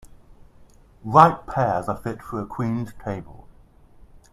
Ripe pears are fit for a queen's table.